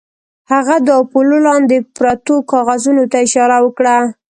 هغه د اپولو لاندې پرتو کاغذونو ته اشاره وکړه